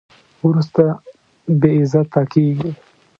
وروسته بې عزته کېږي.